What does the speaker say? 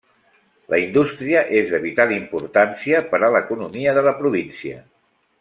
La indústria és de vital importància per a l'economia de la província.